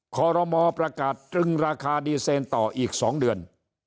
ขอรมอประกาศตรึงราคาดีเซนต่ออีก๒เดือน